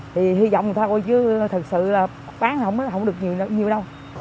thì hy vọng thôi chứ thật sự là bán không được nhiều đâu